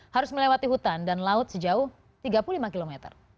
harus melewati hutan dan laut sejauh tiga puluh lima km